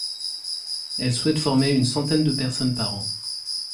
Elle souhaite former une centaine de personnes par an.